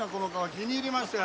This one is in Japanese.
気に入りましたよ。